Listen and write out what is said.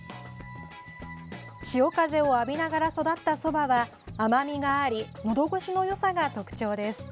潮風を浴びながら育ったそばは甘みがありのどごしのよさが特徴です。